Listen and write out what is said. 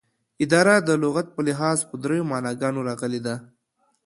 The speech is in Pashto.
اداره دلغت په لحاظ په دریو معناګانو راغلې ده